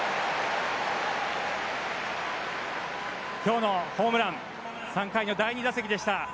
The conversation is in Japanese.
今日のホームラン３回の第２打席でした。